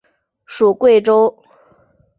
属桂州。